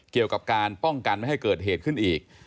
เกี่ยวกับการป้องกันไม่ให้เกิดเหตุขึ้นอีก